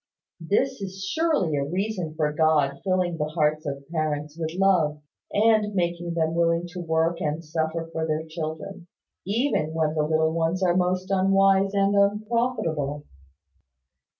This is surely a reason for God filling the hearts of parents with love, and making them willing to work and suffer for their children, even while the little ones are most unwise and unprofitable.